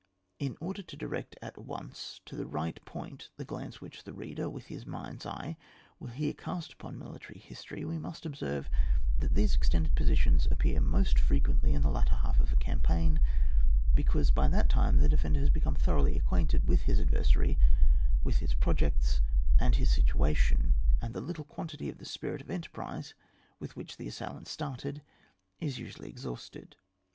In order to direct at once to the right point the glance which the reader, with his mind's eye, will here cast upon military history, we must observe that these extended positions appear most fre quently in the latter half of a campaign, because by that time the defender has become thoroughly acquainted with his adversary, with his projects, and his si tuation; and the little quantity of the spirit of enterprise with which the assail ant started, is usually exhausted.